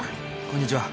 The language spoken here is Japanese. こんにちは。